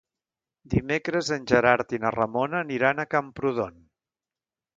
Dimecres en Gerard i na Ramona aniran a Camprodon.